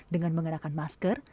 dengan menggunakan masker